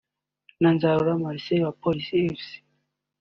na Nzarora Marcel wa Police Fc